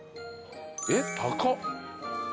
えっ高っ！